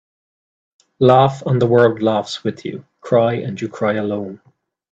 Laugh and the world laughs with you. Cry and you cry alone.